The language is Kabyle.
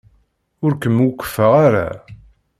Ur kem-wufqeɣ ara.